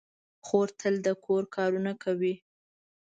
خور تل د کور کارونه کوي.